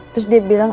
terus dia bilang